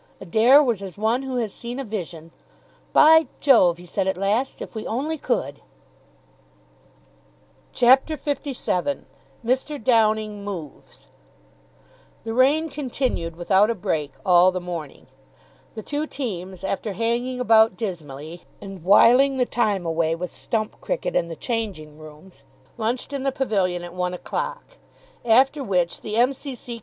Adair was as one who has seen a vision. "By Jove," he said at last, "if we only could!" CHAPTER LVII MR. DOWNING MOVES The rain continued without a break all the morning. The two teams, after hanging about dismally, and whiling the time away with stump cricket in the changing rooms, lunched in the pavilion at one o'clock. After which the M.C.C.